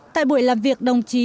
tại buổi làm việc đồng chí